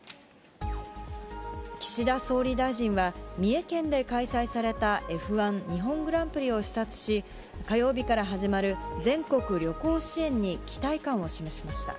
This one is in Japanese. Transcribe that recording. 岸田総理大臣は、三重県で開催されたＦ１日本グランプリを視察し、火曜日から始まる全国旅行支援に期待感を示しました。